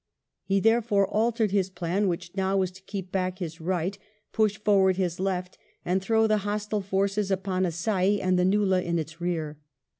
He, therefore, altered his plan, which now was to keep back his right, push forward his left, and throw the hostile forces upon Assaye and the nullah in its rear.